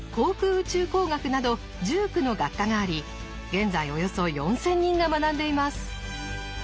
宇宙工学など１９の学科があり現在およそ４，０００人が学んでいます。